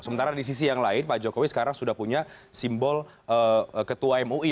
sementara di sisi yang lain pak jokowi sekarang sudah punya simbol ketua mui